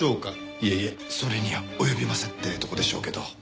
「いえいえそれには及びません」ってとこでしょうけど。